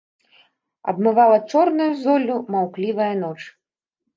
Абмывала чорнаю золлю маўклівая ноч.